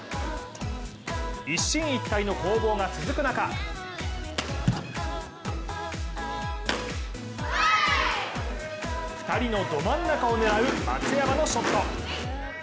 一進一退の攻防が続く中二人のど真ん中を狙う松山のショット。